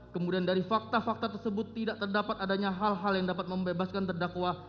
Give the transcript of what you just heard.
kemudian dari fakta fakta tersebut tidak terdapat adanya hal hal yang dapat membebaskan terdakwa